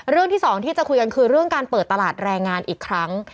ที่สองที่จะคุยกันคือเรื่องการเปิดตลาดแรงงานอีกครั้ง